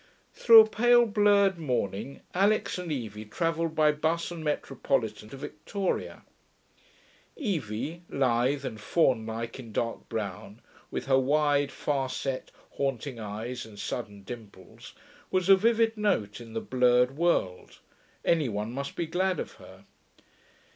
Through a pale blurred morning Alix and Evie travelled by bus and metropolitan to Victoria. Evie, lithe and fawn like in dark brown, with her wide, far set, haunting eyes and sudden dimples, was a vivid note in the blurred world; any one must be glad of her.